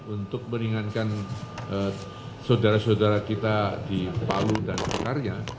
untuk meringankan saudara saudara kita di palu dan sekitarnya